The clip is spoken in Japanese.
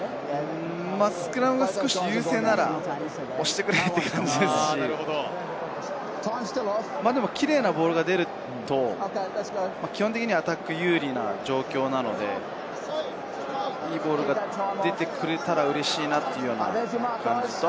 スクラムが優勢なら押してくれという感じですし、キレイなボールが出ると基本的にアタック有利な状況なので、いいボールが出てくれたらうれしいなというのは感じます。